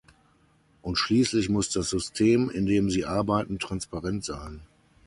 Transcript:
Und schließlich muss das System, in dem sie arbeiten, transparent sein.